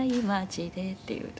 「っていう歌。